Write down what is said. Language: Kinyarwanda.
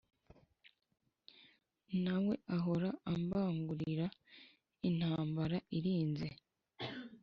nawe ahora ambangurira intambara irinze